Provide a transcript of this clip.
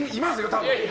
多分。